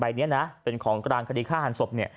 ใบนี้นะเป็นของกรางคดีฆ่าหันศพ